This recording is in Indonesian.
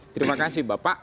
terima kasih bapak